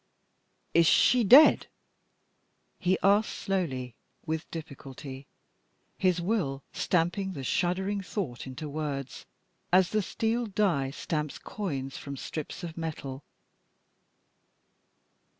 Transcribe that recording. "Is she dead?" he asked, slowly, with difficulty, his will stamping the shuddering thought into words, as the steel die stamps coins from strips of metal.